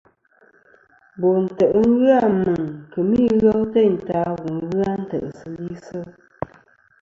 Bo ntè' ghɨ Meŋ kemɨ ighel teynta wu ghɨ a ntè'sɨlisɨ.